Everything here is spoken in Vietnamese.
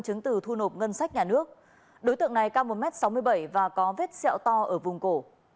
chứng từ thu nộp ngân sách nhà nước đối tượng này cao một m sáu mươi bảy và có vết xẹo to ở vùng cổ